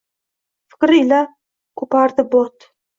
Fikr ila koʼpardi bot.